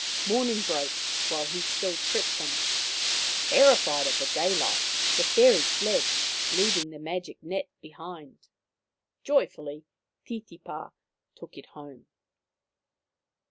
Morning broke while he still tricked them. Terrified at the daylight, the fairies fled, leaving the magic net behind. Joyfully Titipa took it home.